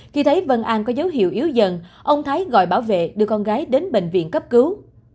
khi thấy vân an có dấu hiệu yếu dần ông thái gọi bảo vệ đưa con gái đến bệnh viện cấp cứu